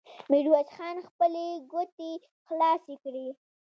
ميرويس خان خپلې ګوتې خلاصې کړې.